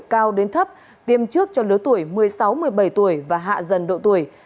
cao đến thấp tiêm trước cho lứa tuổi một mươi sáu một mươi bảy tuổi và hạ dần độ tuổi